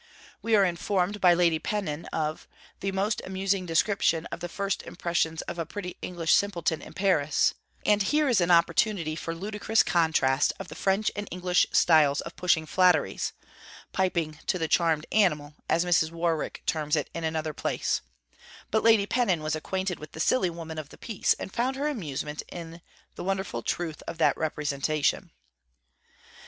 We are informed by Lady Pennon of 'the most amusing description of the first impressions of a pretty English simpleton in Paris'; and here is an opportunity for ludicrous contrast of the French and English styles of pushing flatteries 'piping to the charmed animal,' as Mrs. Warwick terms it in another place: but Lady Pennon was acquainted with the silly woman of the piece, and found her amusement in the 'wonderful truth' of that representation.